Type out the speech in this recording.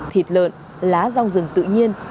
thịt lợn lá rong rừng tự nhiên